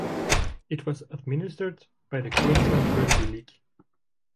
It was administered by the Queensland Rugby League.